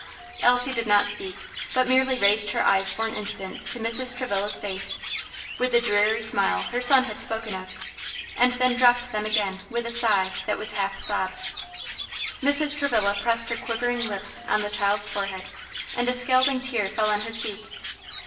Elsie did not speak, but merely raised her eyes for an instant to Mrs. Travilla's face, with the dreary smile her son had spoken of, and then dropped them again with a sigh that was half a sob. Mrs. Travilla pressed her quivering lips on the child's forehead, and a scalding tear fell on her cheek.